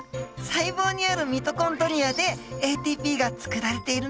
細胞にあるミトコンドリアでＡＴＰが作られているのでした。